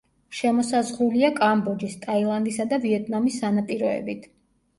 შემოსაზღვრულია კამბოჯის, ტაილანდისა და ვიეტნამის სანაპიროებით.